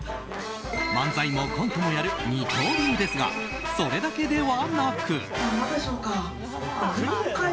漫才もコントもやる二刀流ですがそれだけではなく。